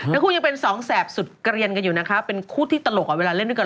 ทั้งคู่ยังเป็นสองแสบสุดเกลียนกันอยู่นะคะเป็นคู่ที่ตลกกับเวลาเล่นด้วยกัน